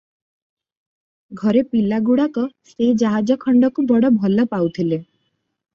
ଘରେ ପିଲାଗୁଡ଼ାକ ସେ ଜାହାଜ ଖଣ୍ଡକୁ ବଡ଼ ଭଲ ପାଉଥିଲେ ।